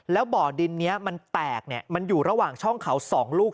แล้วบ่อดินนี้มันแตกมันอยู่ระหว่างช่องเขา๒ลูก